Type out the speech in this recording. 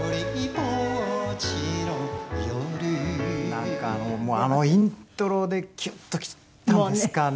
なんかあのイントロでキュッときたんですかね